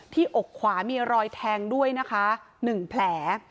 อกขวามีรอยแทงด้วยนะคะ๑แผล